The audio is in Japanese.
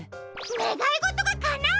ねがいごとがかなう！？